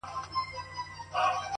دا ستا د حسن د اختر پر تندي-